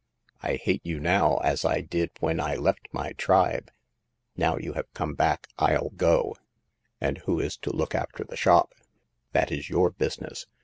I hate you now as I did when I left my tribe. Now you have come back, FU go." " And who is to' look after the shop ?"That is your business.